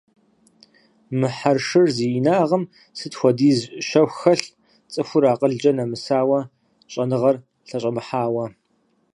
Мы хьэршыр зи инагъым сыт хуэдиз щэху хэлъ, цӀыхур акъылкӀэ нэмысауэ, щӀэныгъэр лъэщӀэмыхьауэ!